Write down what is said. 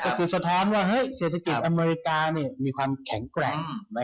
ก็คือสะท้อนว่าเศรษฐกิจอเมริกามีความแข็งแกร่ง